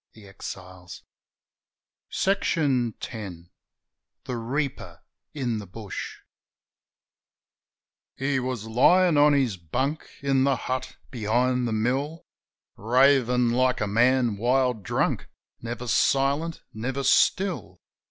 THE REAPER IN THE BUSH The Reaper in the Bush HE was lyin' on his bunk, In the hut behind the mill, Ravin' like a man wild drunk. Never silent, never still.